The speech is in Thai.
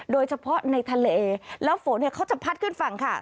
โดยเฉพาะในทะเลแล้วฝนเขาจะพัดขึ้นฝั่งค่ะ